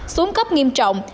xuống cấp nghiêm trọng